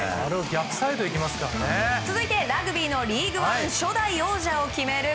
続いてラグビーのリーグワン初代王者を決める